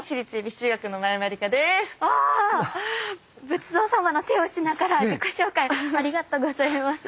仏像様の手をしながら自己紹介ありがとうございます。